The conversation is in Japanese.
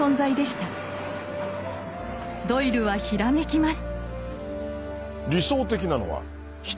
ドイルはひらめきます。